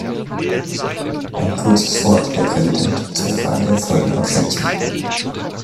Ein kurzes Wort, Herr Präsident, zur Frage der Folgenabschätzung.